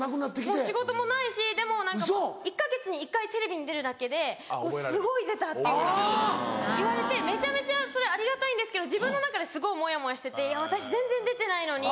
もう仕事もないしでも１か月に１回テレビに出るだけですごい出た！っていうふうに言われてめちゃめちゃそれありがたいんですけど自分の中ですごいモヤモヤしてて私全然出てないのに。